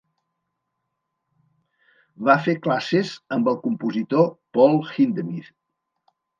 Va fer classes amb el compositor Paul Hindemith.